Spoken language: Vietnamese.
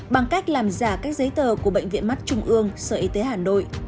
bằng cách làm giả các giấy tờ của bệnh viện mắt trung ương sở y tế hà nội